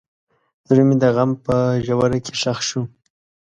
زړه مې د غم په ژوره کې ښخ شو.